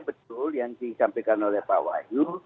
betul yang disampaikan oleh pak wahyu